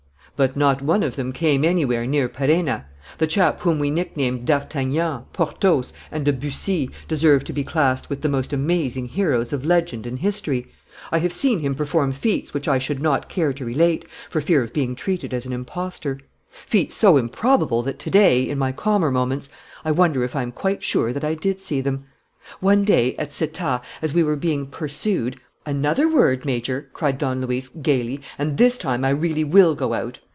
"But not one of them came anywhere near Perenna. The chap whom we nicknamed d'Artagnan, Porthos, and de Bussy deserved to be classed with the most amazing heroes of legend and history. I have seen him perform feats which I should not care to relate, for fear of being treated as an impostor; feats so improbable that to day, in my calmer moments, I wonder if I am quite sure that I did see them. One day, at Settat, as we were being pursued " "Another word, Major," cried Don Luis, gayly, "and this time I really will go out!